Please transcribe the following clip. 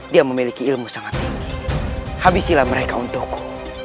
dia memiliki ilmu sangat tinggi habisilah mereka untukku